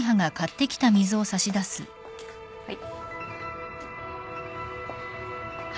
はい。